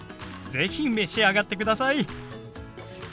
是非召し上がってください。